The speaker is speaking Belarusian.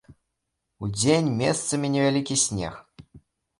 Удзень месцамі невялікі снег.